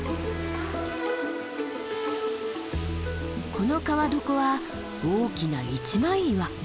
この川床は大きな一枚岩。